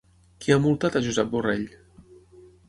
Qui ha multat a Josep Borrell?